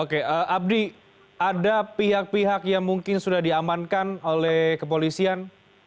oke abdi ada pihak pihak yang mungkin sudah diamankan oleh kepolisian